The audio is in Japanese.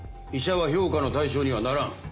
医者は評価の対象にはならん。